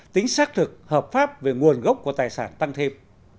tính xác thực hợp pháp về nguồn gốc của tài sản tăng thêm